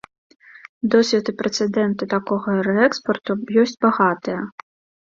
Досвед і прэцэдэнты такога рээкспарту ёсць багатыя.